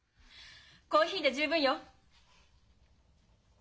コーヒーで十分よ。